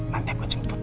nanti aku jemput ya